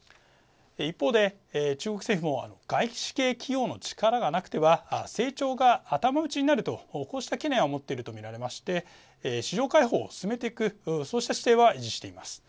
一方で、中国政府も外資系企業の力がなくては成長が頭打ちになるとこうした懸念を持っていると見られまして市場開放を進めていくそうした姿勢は維持しています。